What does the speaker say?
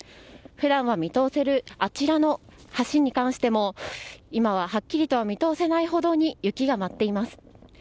普段は見通せるあちらの橋に関しても今ははっきりと見通せないほどに雪が舞っています。